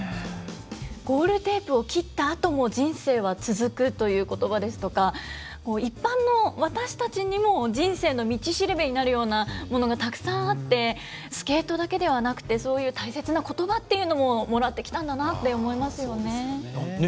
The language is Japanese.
ゴールテープを切ったあとも人生は続くということばですとか、一般の私たちにも人生の道しるべになるようなものがたくさんあって、スケートだけではなくて、そういう大切なことばっていうのももらってきたんだなと思いますよね。